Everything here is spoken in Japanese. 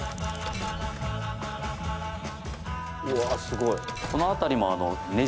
うわすごい。